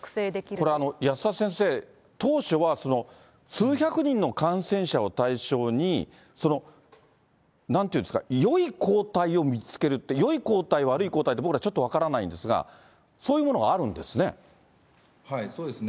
これ、保田先生、当初は数百人の感染者を対象に、なんていうんですか、よい抗体を見つけるって、よい抗体、悪い抗体って、僕らちょっと分からないんですが、そういうものがあるんですね。